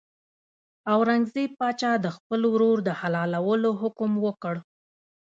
اورنګزېب پاچا د خپل ورور د حلالولو حکم وکړ.